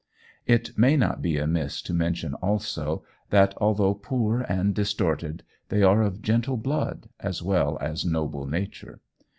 It may not be amiss to mention also that, although poor and distorted, they are of gentle blood as well as noble nature.